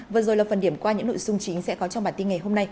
vừa rồi là phần điểm qua những nội dung chính sẽ có trong bản tin ngày hôm nay